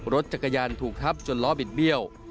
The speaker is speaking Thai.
รถจักรยานถูกทับจนล้อบิดเบี้ยว